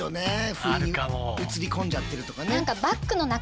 不意に写り込んじゃってるとかね。